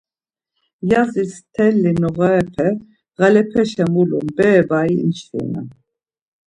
Yazis mteli noğarepe, dereşa mulun bere bari imçvirnan.